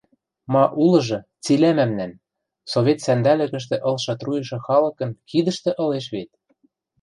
Ма улыжы – цилӓ мӓмнӓн, совет сӓндӓлӹкӹштӹ ылшы труйышы халыкын кидӹштӹ ылеш вет!